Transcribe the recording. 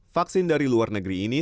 vaksin dari luar negeri ini